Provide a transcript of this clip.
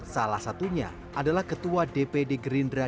salah satunya adalah ketua dpd gerindra